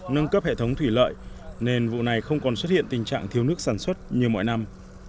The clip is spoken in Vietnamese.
nâng cấp hệ thống thủy lợi nên vụ này không còn xuất hiện tình trạng thiếu nước sản xuất như mọi năm